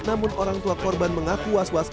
namun orang tua korban mengaku was was